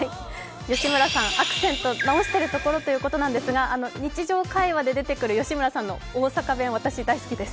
吉村さん、アクセントを直しているところということなんですが日常会話で出てくる吉村さんの大阪弁、私、大好きです。